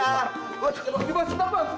iya bos sebentar bos